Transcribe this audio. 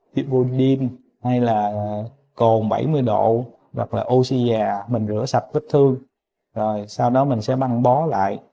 vipodil hay là cồn bảy mươi độ hoặc là oxyà mình rửa sạch vết thương rồi sau đó mình sẽ băng bó lại